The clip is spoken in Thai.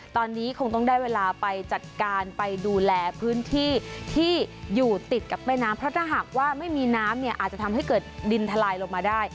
ตอนนี้คงต้องได้เวลาไปจัดการไปดูแลพื้นที่ที่อยู่ติดกับแม่น้ำเพราะถ้าหากว่าไม่มีน้ำเนี่ยอาจจะทำให้เกิดดินทลายลงมาได้